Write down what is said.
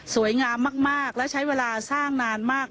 สวยงามมากและใช้เวลาสร้างนานมาก